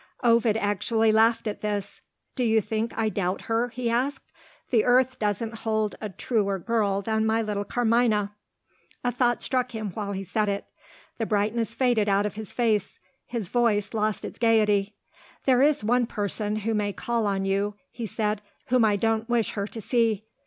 Ovid actually laughed at this. "Do you think I doubt her?" he asked. "The earth doesn't hold a truer girl than my little Carmina!" A thought struck him while he said it. The brightness faded out of his face; his voice lost its gaiety. "There is one person who may call on you," he said, "whom I don't wish her to see."